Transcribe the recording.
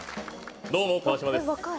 どうも川島です。